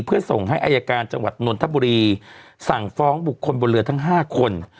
เพื่อส่งให้อายการจังหวัดนนทบุรีสั่งฟ้องบุคคลบนเรือทั้ง๕คน